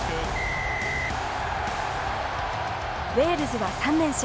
ウェールズは３連勝。